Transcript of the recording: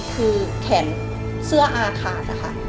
คือแขนเสื้ออาขาดนะคะ